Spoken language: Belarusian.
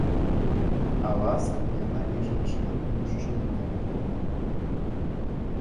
А ласка, яна і жанчынам і мужчынам неабходная.